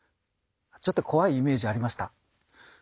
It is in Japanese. ちょっと怖いイメージありました？